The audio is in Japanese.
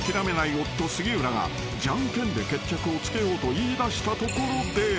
夫杉浦がじゃんけんで決着をつけようと言いだしたところで］